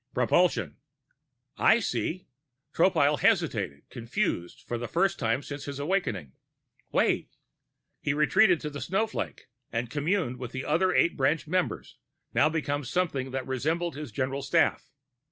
"Propulsion." "I see." Tropile hesitated, confused for the first time since his awakening. "Wait." He retreated to the snowflake and communed with the other eight branched members, now become something that resembled his general staff.